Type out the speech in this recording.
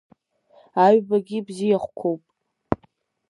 Аҩбагьы бзиахәқәоуп!